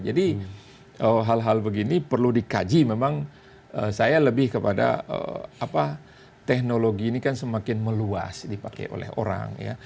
jadi hal hal begini perlu dikaji memang saya lebih kepada teknologi ini kan semakin meluas dipakai oleh orang